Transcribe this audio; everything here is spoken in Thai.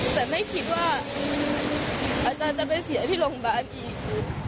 แต่ไม่คิดว่าอาจารย์จะไปเสียที่โรงพยาบาลอีก